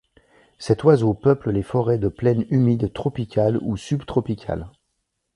Cet oiseau peuple les forêts de plaine humides tropicales ou subtropicales.